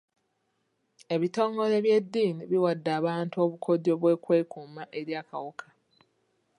Ebitongole by'eddini biwadde abantu obukodyo bw'okwekuuma eri akawuka.